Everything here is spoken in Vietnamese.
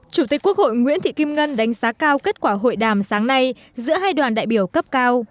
chủ tịch quốc hội nguyễn thị kim ngân đánh giá cao kết quả hội đàm sáng nay giữa hai đoàn đại biểu cấp cao